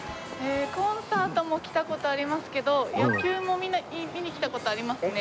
コンサートも来た事ありますけど野球も見に来た事ありますね。